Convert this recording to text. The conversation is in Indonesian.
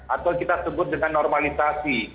atau kita sebut dengan normalisasi